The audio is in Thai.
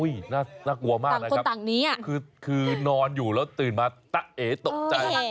น่ากลัวมากนะครับคือนอนอยู่แล้วตื่นมาตะเอตกใจ